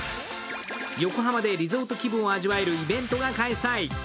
横浜でリゾート気分を味わえるイベントが開催。